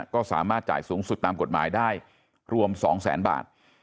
ก็สามารถจ่ายสูงสุดตามกฎหมายได้รวม๒แสนบาท